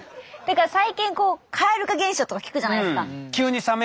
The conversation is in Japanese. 最近蛙化現象とか聞くじゃないですか。